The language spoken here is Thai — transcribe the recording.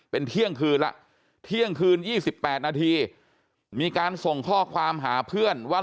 เป็นเที่ยงคืนแล้วเที่ยงคืน๒๘นาทีมีการส่งข้อความหาเพื่อนว่า